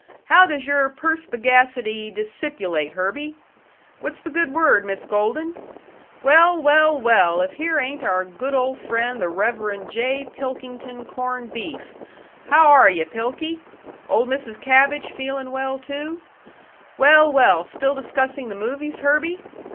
How does your perspegacity discipulate, Herby? What's the good word, Miss Golden? Well, well, well, if here ain't our good old friend, the Rev. J. Pilkington Corned Beef; how 'r' you, Pilky? Old Mrs. Cabbage feelin' well, too? Well, well, still discussing the movies, Herby?